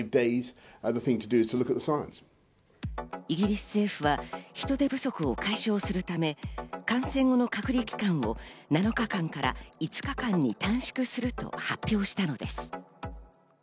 イギリス政府は人手不足を解消するため、感染後の隔離期間を７日間から５日間に短縮すると発表したのです。